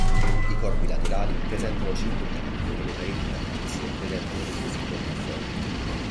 I corpi laterali presentano cinque piani e le pareti in laterizio presentano robusti contrafforti.